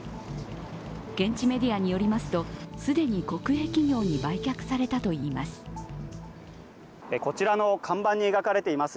現地メディアによりますと既に国営企業に売却されたといいます。